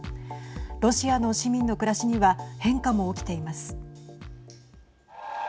ロシアの市民の暮らしには変化も起きています。